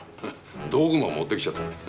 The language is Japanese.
道具も持ってきちゃった。